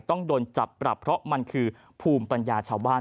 ต้องโดนจับปรับเพราะมันคือภูมิปัญญาชาวบ้าน